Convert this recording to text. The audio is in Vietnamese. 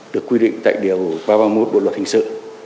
được quy định tại điều ba trăm ba mươi một bộ luật hình sự